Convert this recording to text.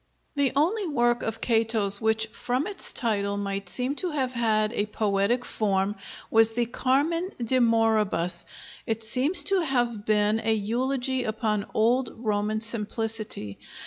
The only work of Cato's which from its title might seem to have had a poetic form was the 'Carmen de Moribus.' It seems to have been a eulogy upon old Roman simplicity.